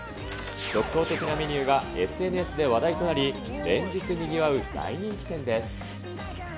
独創的なメニューがＳＮＳで話題となり、連日にぎわう大人気店です。